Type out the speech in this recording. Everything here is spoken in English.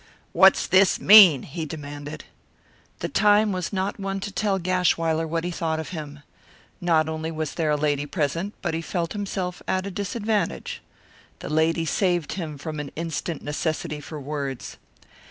"What's this mean?" he demanded. The time was not one to tell Gashwiler what he thought of him. Not only was there a lady present, but he felt himself at a disadvantage. The lady saved him from an instant necessity for words.